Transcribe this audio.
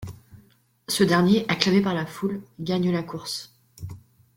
Ce dernier acclamé par la foule, gagne la course.